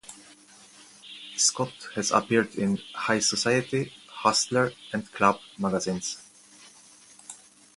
Scott has appeared in "High Society", "Hustler", and "Club" magazines.